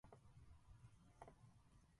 あなたが僕の全てです．